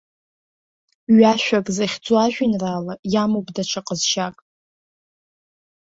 Ҩ-ашәак зыхьӡу ажәеинраала иамоуп даҽа ҟазшьак.